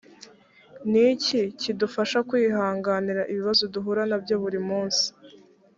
ni iki kidufasha kwihanganira ibibazo duhura na byo buri munsi